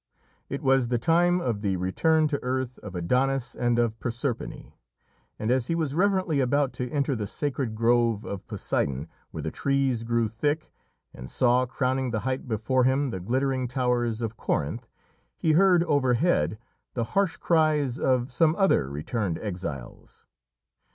It was the time of the return to earth of Adonis and of Proserpine, and as he was reverently about to enter the sacred grove of Poseidon, where the trees grew thick, and saw, crowning the height before him, the glittering towers of Corinth, he heard, overhead, the harsh cries of some other returned exiles.